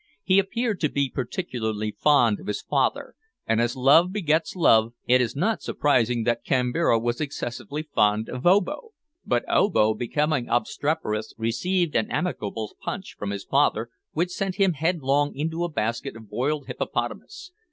He appeared to be particularly fond of his father, and as love begets love, it is not surprising that Kambira was excessively fond of Obo. But Obo, becoming obstreperous, received an amicable punch from his father, which sent him headlong into a basket of boiled hippopotamus.